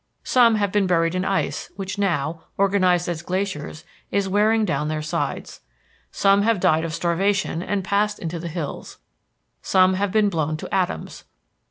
Some have been buried in ice which now, organized as glaciers, is wearing down their sides. Some have died of starvation and passed into the hills. Some have been blown to atoms.